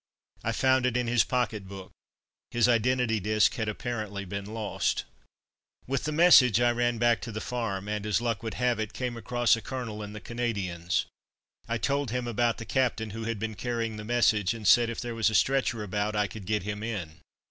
I found it in his pocket book. His identity disc had apparently been lost. With the message I ran back to the farm, and, as luck would have it, came across a colonel in the Canadians. I told him about the captain who had been carrying the message, and said if there was a stretcher about I could get him in.